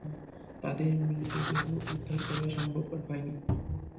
তাদের মৃতদেহ উদ্ধার করাও সম্ভবপর হয়নি।